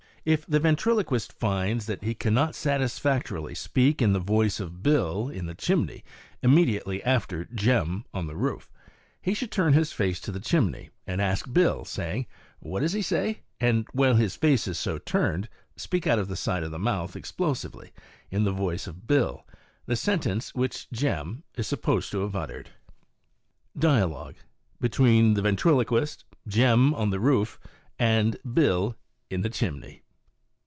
If the ventriloquist finds that he cannot satis factorily speak in the voice of Bill in the chimney immediately after Jem on the roof, he should turn his face to the chimney, and ask Bdl, saying "What does he say ?" and while his face is so turned speak out of the side of the mouth explosively, in the voice of Bill, the sentence which Jem is supposed to have uttered. AND VOCAL ILLUSIONS. 39 DIALOGUE BETWEEN THE VENTRILOQUIST, JEM ON THE ROOF AND BILL IN THE CHIMNEY.